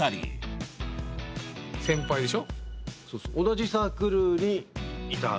同じサークルにいた。